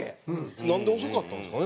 なんで遅かったんですかね